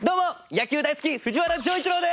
野球大好き藤原丈一郎です！